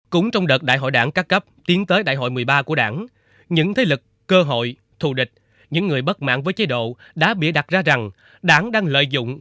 cũng trong đợt đại hội đảng các cấp tiến tới đại hội một mươi ba của đảng những thế lực cơ hội thù địch những người bất mạng với chế độ đã bịa đặt ra rằng đảng đang lợi dụng